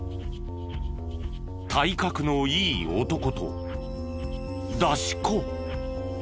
体格のいい男と出し子。